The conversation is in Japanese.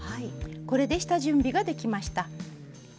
これで下準備ができました。